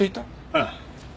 ああ。